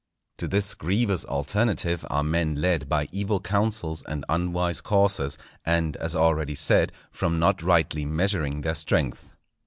To this grievous alternative are men led by evil counsels and unwise courses, and, as already said, from not rightly measuring their strength.